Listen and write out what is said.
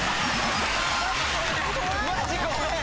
マジごめん！